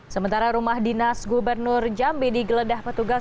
sementara rumah dinas gubernur jambi digeledah petugas